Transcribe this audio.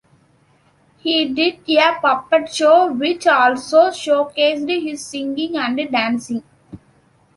He did a puppet show which also showcased his singing and dancing.